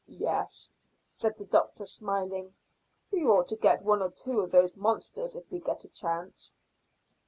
"Yes," said the doctor, smiling; "we ought to get one or two of those monsters if we get a chance."